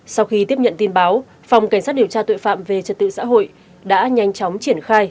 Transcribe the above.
sau khi tiếp nhận tin báo phòng cảnh sát điều tra tội phạm về trật tự xã hội đã nhanh chóng triển khai